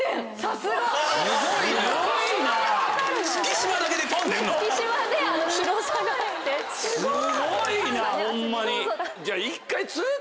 すごいなホンマに。